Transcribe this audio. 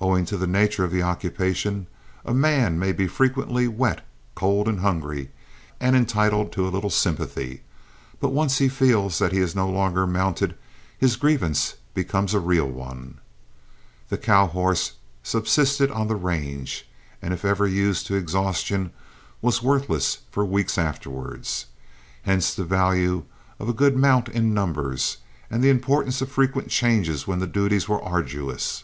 Owing to the nature of the occupation, a man may be frequently wet, cold, and hungry, and entitled to little sympathy; but once he feels that he is no longer mounted, his grievance becomes a real one. The cow horse subsisted on the range, and if ever used to exhaustion was worthless for weeks afterward. Hence the value of a good mount in numbers, and the importance of frequent changes when the duties were arduous.